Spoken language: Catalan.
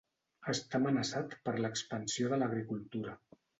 Està amenaçat per l'expansió de l'agricultura.